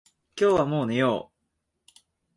今日はもう寝よう。